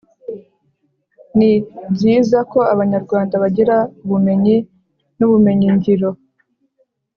ni byiza ko abanyarwanda bagira ubumenyi n’ubumenyingiro